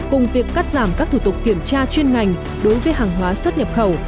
cùng việc cắt giảm các thủ tục kiểm tra chuyên ngành đối với hàng hóa xuất nhập khẩu